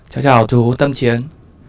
cháu chào chú tâm chiến